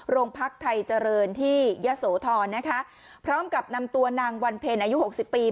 โรงพักไทยเจริญที่ยะโสธรนะคะพร้อมกับนำตัวนางวันเพลอายุหกสิบปี